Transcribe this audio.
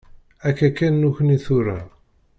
Akka kan nekni tura.